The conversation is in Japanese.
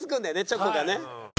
チョコがね。